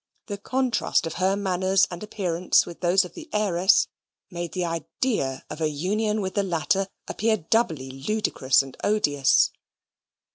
The contrast of her manners and appearance with those of the heiress, made the idea of a union with the latter appear doubly ludicrous and odious.